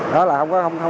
đó là không có rượu